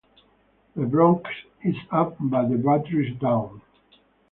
The Bronx is up but the Battery's down.